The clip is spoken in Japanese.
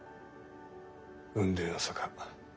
雲泥の差か。